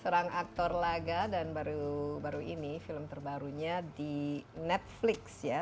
seorang aktor laga dan baru ini film terbarunya di netflix ya